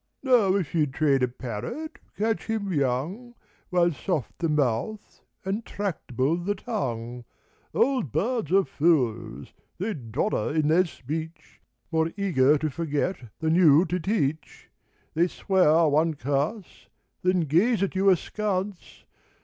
Now if you'd train a parrot, catch him young While soft the mouth and tractable the tongue. Old birds are fools : they dodder in their speech, More eager to forget than you to teach ; They swear one curse, then gaze at you askance.